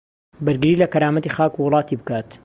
بەرگری لە کەرامەتی خاک و وڵاتی بکات